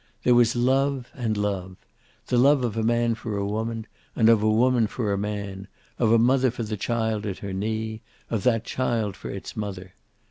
There was love and love. The love of a man for a woman, and of a woman for a man, of a mother for the child at her knee, of that child for its mother.